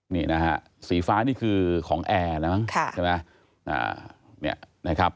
นี่นะฮะสีฟ้านี่คือของแอร์แล้วมั้งใช่ไหม